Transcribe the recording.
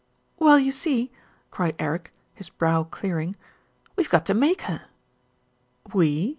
"Well, you see," cried Eric, his brow clearing. "We've got to make her." "We?"